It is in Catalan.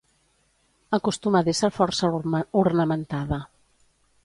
Acostuma d'ésser força ornamentada.